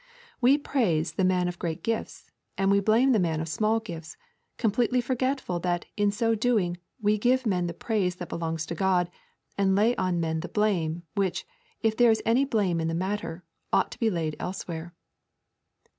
We praise the man of great gifts, and we blame the man of small gifts, completely forgetful that in so doing we give men the praise that belongs to God, and lay on men the blame, which, if there is any blame in the matter, ought to be laid elsewhere.